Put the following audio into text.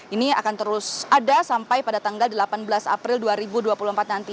ini akan terus ada sampai pada tanggal delapan belas april dua ribu dua puluh empat nanti